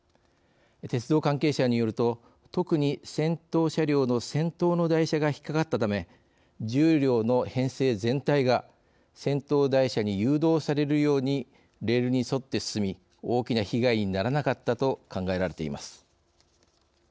鉄道関係者によると特に先頭車両の先頭の台車が引っ掛かったため１０両の編成全体が先頭台車に誘導されるようにレールに沿って進み大きな被害にならなかったと考えられています。